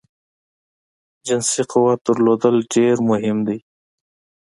جنسی قوت درلودل ډیر مهم دی